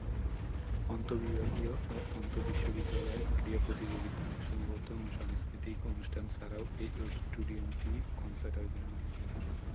আন্তবিভাগীয় ও আন্তঃবিশ্ববিদ্যালয় ক্রীড়া প্রতিযোগিতা, সমাবর্তন ও সাংস্কৃতিক অনুষ্ঠান ছাড়াও এই স্টেডিয়ামটি কনসার্ট আয়োজনের অন্যতম ভেন্যু।